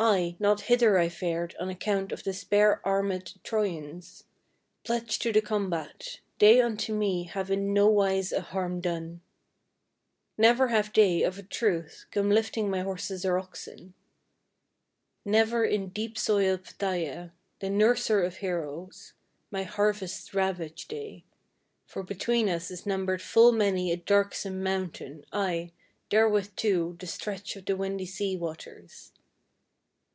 I, not hither I fared on account of the spear armed Trojans, Pledged to the combat; they unto me have in nowise a harm done; Never have they, of a truth, come lifting my horses or oxen; Never in deep soiled Phthia, the nurser of heroes, my harvests Ravaged, they; for between us is numbered full many a darksome Mountain, ay, therewith too the stretch of the windy sea waters.